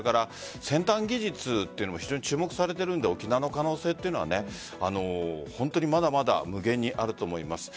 先端技術も非常に注目されているので沖縄の可能性は本当にまだまだ無限にあると思います。